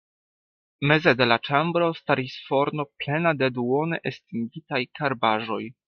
Meze de la ĉambro staris forno plena de duone estingitaj karbaĵoj.